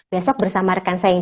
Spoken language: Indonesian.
besok bersama rekan saya yang